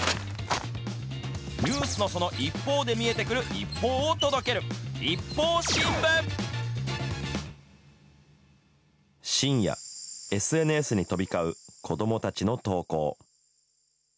ニュースのその一方で見えてくる深夜、ＳＮＳに飛び交う子どもたちの投稿。